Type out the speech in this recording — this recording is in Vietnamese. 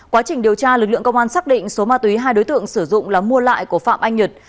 quá trình điều tra lực lượng công an xác định số ma túy hai đối tượng sử dụng là mua lại của phạm anh nhật